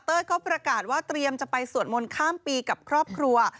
เขาประกาศว่าเตรียมจะไปสวดมนต์ข้ามปีกับครอบครัว